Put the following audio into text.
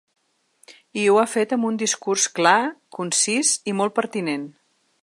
I ho ha fet amb un discurs clar, concís i molt pertinent.